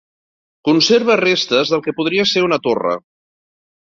Conserva restes del que podria ser una torre.